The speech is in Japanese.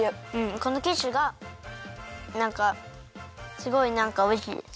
このキッシュがなんかすごいなんかおいしいです。